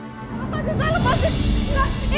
lepasin saya lepasin